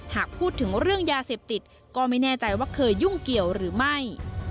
หากพูดถึงเรื่องยาเสพติดก็ไม่แน่ใจว่าเคยยุ่งเกี่ยวหรือไม่